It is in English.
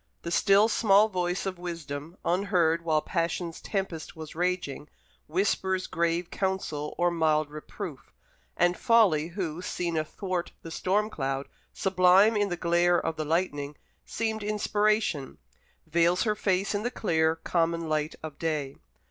The still small voice of Wisdom, unheard while Passion's tempest was raging, whispers grave counsel or mild reproof; and Folly, who, seen athwart the storm cloud, sublime in the glare of the lightning, seemed inspiration, veils her face in the clear, common light of day.